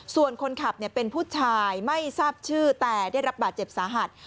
ส่วนคนขับเป็นผู้ชายไม่ทราบชื่อแต่ได้รับบาดเจ็บสาหัส